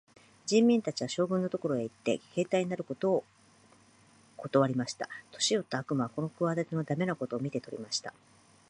人民たちは、将軍のところへ行って、兵隊になることをことわりました。年よった悪魔はこの企ての駄目なことを見て取りました。